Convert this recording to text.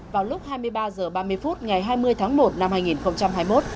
vào lúc hai mươi ba h ba mươi phút ngày hai mươi tháng một năm hai nghìn hai mươi một